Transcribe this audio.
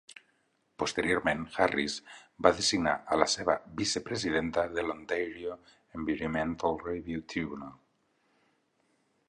Posteriorment, Harris va designar a la seva vicepresidenta de l'Ontario Environmental Review Tribunal.